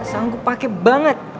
sanggup pake banget